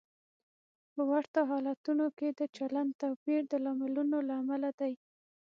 په ورته حالتونو کې د چلند توپیر د لاملونو له امله دی.